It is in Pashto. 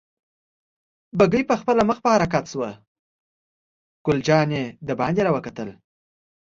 بګۍ پخپله مخ په حرکت شوه، ګل جانې دباندې را وکتل.